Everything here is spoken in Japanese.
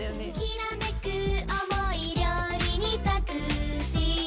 「きらめく思い料理にたくして」